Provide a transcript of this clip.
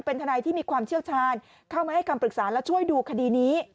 เป็นทนายที่มีความเชี่ยวชาญเข้ามาให้คำปรึกษาและช่วยดูคดีนี้